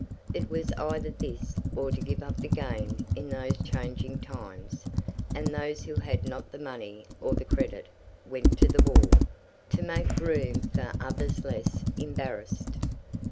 It was either this or to give up the game in those changing times; and those who had not the money or the credit went to the wall, to make room for others less embarrassed.